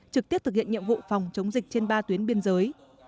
trực tiếp thực hiện nhiệm vụ phòng chống dịch trên ba tuyến biên giới